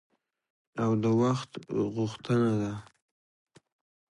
او د وخت غوښتنه ده.